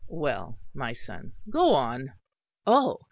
"Well, my son, go on!" "Oh!